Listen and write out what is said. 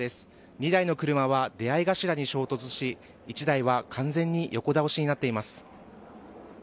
２台の車は出合い頭に衝突し１台は完全に横倒しになっています。